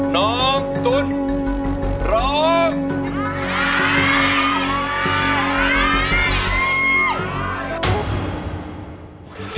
น้องตุ๋นร้อง